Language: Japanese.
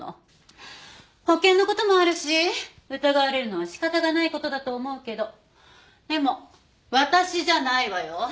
保険の事もあるし疑われるのは仕方がない事だと思うけどでも私じゃないわよ。